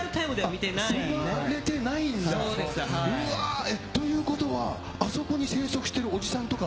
うわー、ということは、あそこに生息しているおじさんとか。